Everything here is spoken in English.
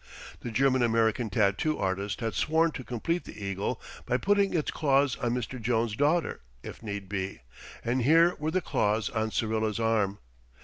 The German American tattoo artist had sworn to complete the eagle by putting its claws on Mr. Jones's daughter, if need be, and here were the claws on Syrilla's arm.